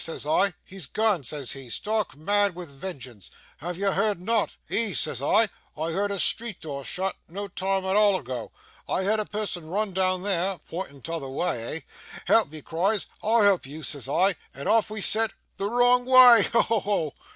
says I. "He's gane," says he, stark mad wi' vengeance. "Have you heerd nought?" "Ees," says I, "I heerd street door shut, no time at a' ago. I heerd a person run doon there" (pointing t'other wa' eh?) "Help!" he cries. "I'll help you," says I; and off we set the wrong wa'! Ho! ho! ho!